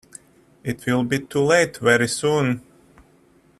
It will be too late very soon.